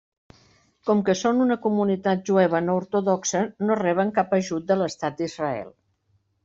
Com que són una comunitat jueva no ortodoxa, no reben cap ajut de l'estat d'Israel.